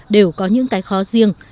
đều có những cái khó riêng